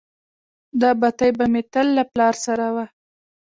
دا بتۍ به مې تل له پلار سره وه.